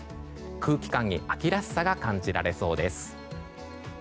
空気感に秋らしさが感じられそうです。